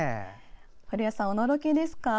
古谷さん、おのろけですか。